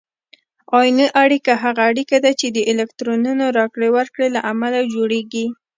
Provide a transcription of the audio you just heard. آیوني اړیکه هغه اړیکه ده چې د الکترونونو راکړې ورکړې له امله جوړیږي.